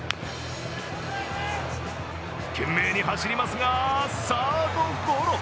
懸命に走りますが、サードゴロ。